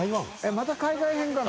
┐また海外編かな？